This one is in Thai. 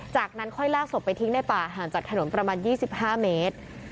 จากนั้นค่อยลากศพไปทิ้งในป่าห่างจากถนนประมาณ๒๕เมตร